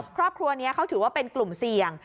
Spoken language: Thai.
ครอบครัวนี้เขาถือว่าเป็นกลุ่มเสี่ยง